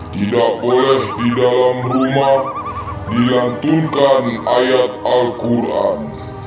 tidak boleh di dalam rumah dilantunkan ayat al quran